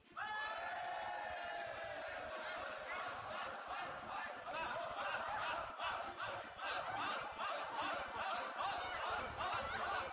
dan layak sampai di dan hujan